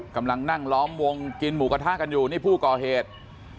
กำลังนั่งล้อมวงกินหมูกระทะกันอยู่นี่ผู้ก่อเหตุ